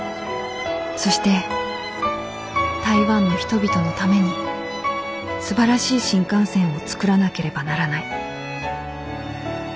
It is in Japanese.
そして台湾の人々のためにすばらしい新幹線を作らなければならない。